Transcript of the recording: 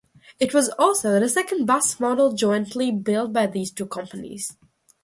It was also the second bus model jointly built by these two companies.